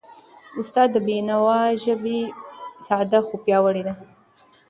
استاد د بینوا ژبه ساده، خو پیاوړی ده.